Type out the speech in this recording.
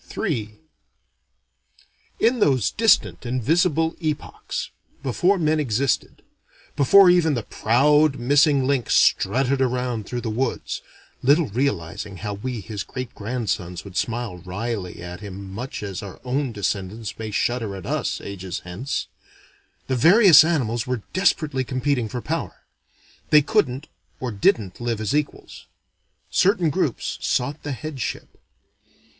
III In those distant invisible epochs before men existed, before even the proud missing link strutted around through the woods (little realizing how we his greatgrandsons would smile wryly at him much as our own descendants may shudder at us, ages hence) the various animals were desperately competing for power. They couldn't or didn't live as equals. Certain groups sought the headship.